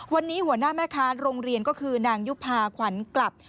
วันนี้หัวหน้าแม่ค้าโรงเรียนก็คือนางยุภาขวัญกลับ